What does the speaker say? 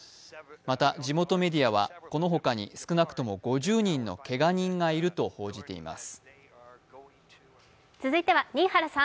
また地元メディアは、この他に少なくとも５０人のけが人がいると報じています。